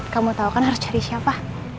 kamu tahu kan harus cari siapa